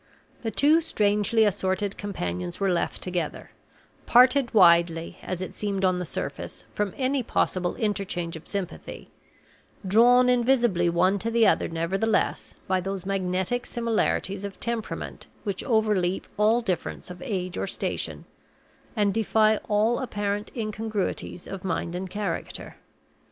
The two strangely assorted companions were left together parted widely, as it seemed on the surface, from any possible interchange of sympathy; drawn invisibly one to the other, nevertheless, by those magnetic similarities of temperament which overleap all difference of age or station, and defy all apparent incongruities of mind and character.